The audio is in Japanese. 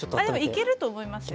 でもいけると思いますよ。